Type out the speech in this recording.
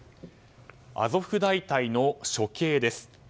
アゾフ大隊の処刑です。